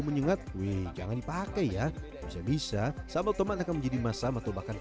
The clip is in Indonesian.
menyengat wih jangan dipakai ya bisa bisa sambal tomat akan menjadi masam atau bahkan